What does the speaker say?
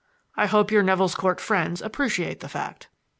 I hope your Nevill's Court friends appreciate the fact."